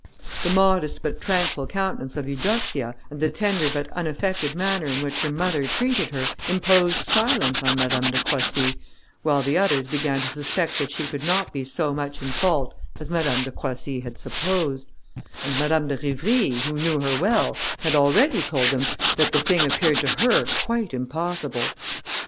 The modest but tranquil countenance of Eudoxia, and the tender but unaffected manner in which her mother treated her, imposed silence on Madame de Croissy, while the others began to suspect that she could not be so much in fault as Madame de Croissy had supposed; and Madame de Rivry, who knew her well, had already told them that the thing appeared to her quite impossible.